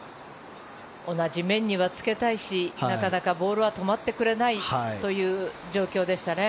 同じ面にはつけたいしなかなかボールは止まってくれないという状況でしたね。